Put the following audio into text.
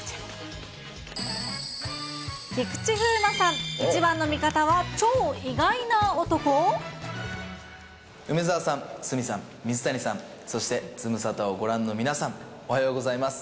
菊池風磨さん、梅澤さん、鷲見さん、水谷さん、そしてズムサタをご覧の皆さん、おはようございます。